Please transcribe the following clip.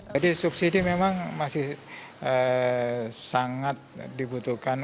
jadi subsidi memang masih sangat dibutuhkan